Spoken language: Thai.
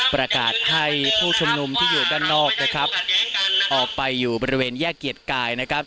ประกาศให้ผู้ชุมนุมที่อยู่ด้านนอกนะครับออกไปอยู่บริเวณแยกเกียรติกายนะครับ